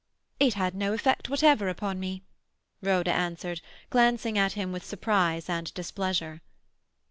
"It has no effect whatever upon me," Rhoda answered, glancing at him with surprise and displeasure.